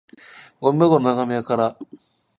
ゴミ箱の中身は空だった